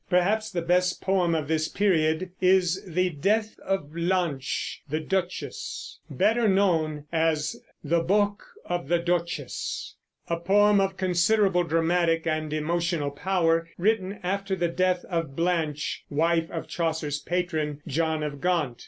Perhaps the best poem of this period is the "Dethe of Blanche the Duchesse," better known, as the "Boke of the Duchesse," a poem of considerable dramatic and emotional power, written after the death of Blanche, wife of Chaucer's patron, John of Gaunt.